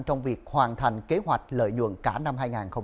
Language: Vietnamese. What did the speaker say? trong việc hoàn thành kế hoạch lợi nhuận cả năm hai nghìn hai mươi